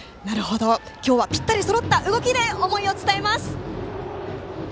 今日はぴったりそろった動きで思いを伝えます。